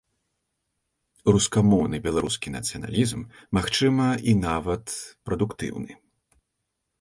Рускамоўны беларускі нацыяналізм магчымы і нават прадуктыўны.